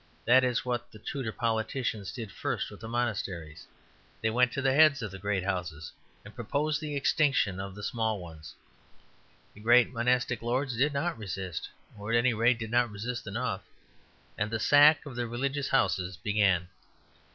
That is what the Tudor politicians did first with the monasteries. They went to the heads of the great houses and proposed the extinction of the small ones. The great monastic lords did not resist, or, at any rate, did not resist enough; and the sack of the religious houses began.